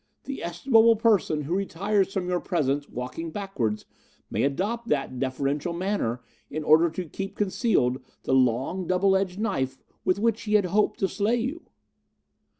The estimable person who retires from your presence walking backwards may adopt that deferential manner in order to keep concealed the long double edged knife with which he had hoped to slay you."